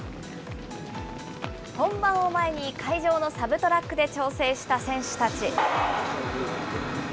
本番を前に会場のサブトラックで調整した選手たち。